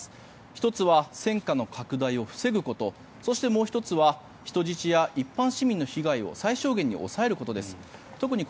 １つは戦火の拡大を防ぐことそしてもう１つは人質や一般市民の被害を最小限に抑えることです。